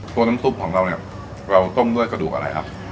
ตัวน้ำซุปของเราเนี่ยเราต้มด้วยกระดูกอะไรครับ